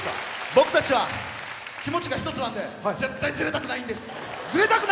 僕たちは気持ちが一つなんで絶対ずれたくないんです。